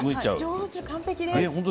上手、完璧です。